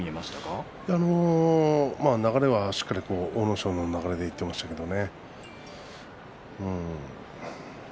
流れはしっかり阿武咲の流れでいきましたけれどもね。